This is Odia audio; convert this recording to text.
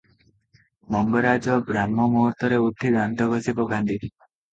ମଙ୍ଗରାଜ ବ୍ରାହ୍ମମୁହୂର୍ତ୍ତରେ ଉଠି ଦାନ୍ତ ଘଷି ପକାନ୍ତି ।